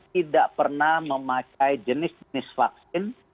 tidak pernah memakai jenis jenis vaksin